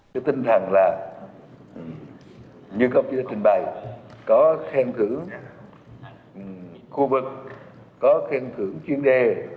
cái tinh thẳng là như công ty đã trình bày có khen thưởng khu vực có khen thưởng chuyên đề